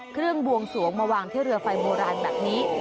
บวงสวงมาวางที่เรือไฟโบราณแบบนี้